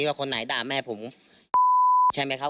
โลกว่าใช่ไหมครับ